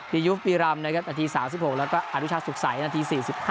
ยุฟปีรำนะครับนาที๓๖แล้วก็อนุชาสุขใสนาที๔๕